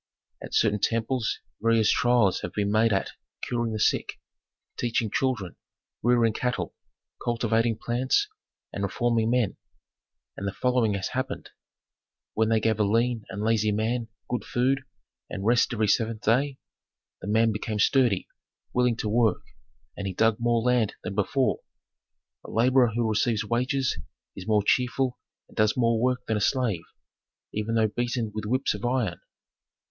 "At certain temples various trials have been made at curing the sick, teaching children, rearing cattle, cultivating plants, and reforming men, and the following has happened: When they gave a lean and lazy man good food, and rest every seventh day, the man became sturdy, willing to work, and he dug more land than before. A laborer who receives wages is more cheerful and does more work than a slave, even though beaten with whips of iron.